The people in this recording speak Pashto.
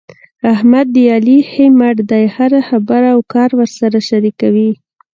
احمد د علي ښی مټ دی. هره خبره او کار ورسره شریکوي.